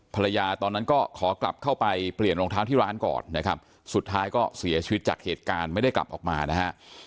ตอนนั้นก็ขอกลับเข้าไปเปลี่ยนรองเท้าที่ร้านก่อนนะครับสุดท้ายก็เสียชีวิตจากเหตุการณ์ไม่ได้กลับออกมานะฮะ